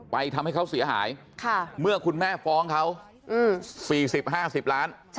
ทำให้เขาเสียหายเมื่อคุณแม่ฟ้องเขา๔๐๕๐ล้าน